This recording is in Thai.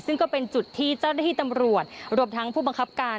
ซึ่งก็เป็นจุดที่เจ้าหน้าที่ตำรวจรวมทั้งผู้บังคับการ